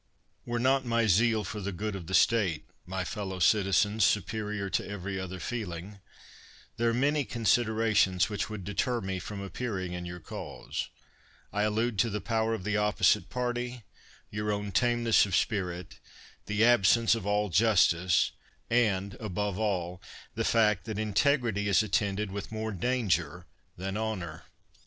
Were not my zeal for the good of the state, my fellow citizens, superior to every other feel ing, there are many considerations which would deter me from appearing in your cause; I allude to the i)ower of the opposite party, your own tameness of spirit, the absence of all justice, and, above all, the fact that integrity is attended with more danger than honor.